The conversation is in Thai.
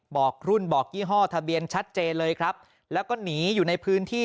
บอกรุ่นบอกยี่ห้อทะเบียนชัดเจนเลยครับแล้วก็หนีอยู่ในพื้นที่